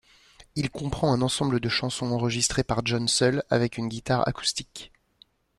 Il comprend un ensemble de chansons enregistrées par John seul avec une guitare acoustique.